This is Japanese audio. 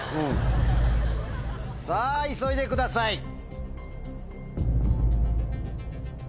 さぁ急いでください。